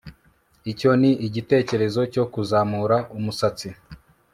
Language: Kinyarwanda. Icyo ni igitekerezo cyo kuzamura umusatsi